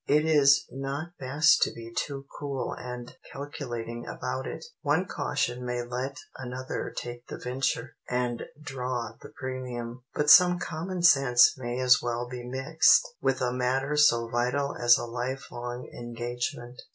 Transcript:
It is not best to be too cool and calculating about it; one caution may let another take the venture and draw the premium. But some common sense may as well be mixed with a matter so vital as a life long engagement.